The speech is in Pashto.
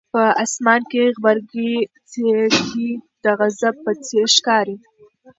په اسمان کې غبرګې څړیکې د غضب په څېر ښکاري.